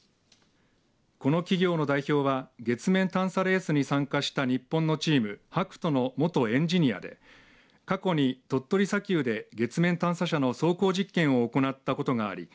この企業の代表は月面探査レースに参加した日本のチームＨＡＫＵＴＯの元エンジニアで過去に鳥取砂丘で月面探査車の走行実験を行ったことがあり